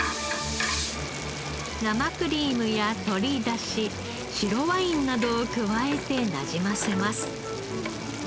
生クリームや鶏だし白ワインなどを加えてなじませます。